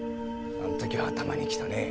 あの時は頭にきたねえ。